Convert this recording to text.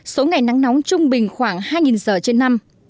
số ngày nắng nóng trung bình khoảng hai giờ trên năm